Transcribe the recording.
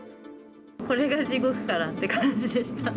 これが地獄かなって感じでした。